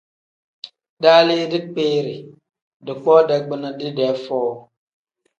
Daalii dikpiiri, dikpoo dagbina didee foo.